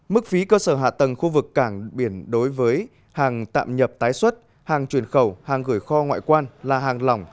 mức phí cơ sở hạ tầng khu vực cảng biển đối với hàng tạm nhập tái xuất hàng chuyển khẩu hàng gửi kho ngoại quan là hàng lỏng